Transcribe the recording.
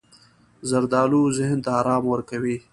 زردالو ذهن ته ارام ورکوي.